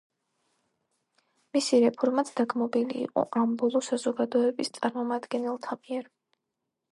მისი რეფორმაც დაგმობილი იყო ამ ბოლო საზოგადოების წარმომადგენელთა მიერ.